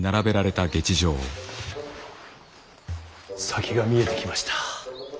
先が見えてきました。